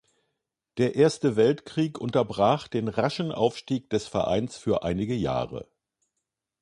Der Erste Weltkrieg unterbrach den raschen Aufstieg des Vereines für einige Jahre.